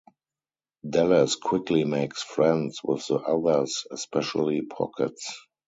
Dallas quickly makes friends with the others, especially Pockets.